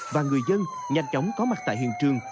và người dân nhanh chóng có mặt tại hiện trường